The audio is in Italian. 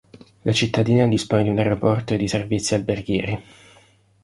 La cittadina dispone di un aeroporto e di servizi alberghieri.